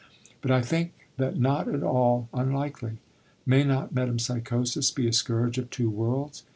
But I think that not at all unlikely. May not metempsychosis be a scourge of two worlds?